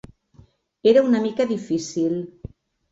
Era una mica difícil.